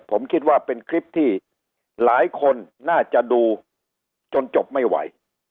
ผมคิดว่าเป็นคลิปที่หลายคนน่าจะดูจนจบไม่ไหว